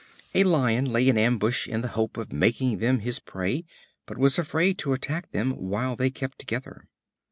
A Lion lay in ambush in the hope of making them his prey, but was afraid to attack them whilst they kept together.